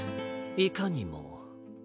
いかにも。